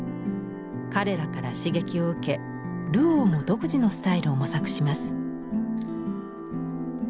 彼らから刺激を受けルオーも独自のスタイルを模索します。